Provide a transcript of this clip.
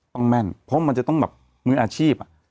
แม่นเพราะมันจะต้องแบบมืออาชีพ